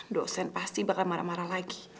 dosen pasti bakal marah marah lagi